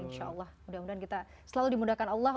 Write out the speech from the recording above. insya allah mudah mudahan kita selalu dimudahkan allah